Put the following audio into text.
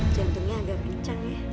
jantungnya agak bincang ya